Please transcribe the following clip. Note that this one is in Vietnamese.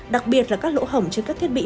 đặc biệt là các lỗ hỏng trên các thiết bị